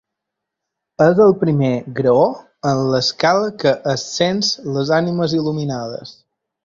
És el primer graó en l'escala que ascens les ànimes il·luminades.